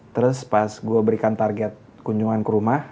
terus pas gue berikan target kunjungan ke rumah